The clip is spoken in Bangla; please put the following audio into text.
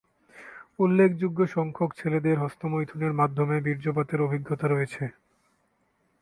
উল্লেখযোগ্য সংখ্যক ছেলেদের হস্তমৈথুনের মাধ্যমে বীর্যপাতের অভিজ্ঞতা রয়েছে।